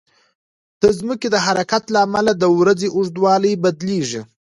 د ځمکې د حرکت له امله د ورځې اوږدوالی بدلېږي.